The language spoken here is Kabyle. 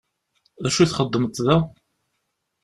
D acu i txeddmeḍ da?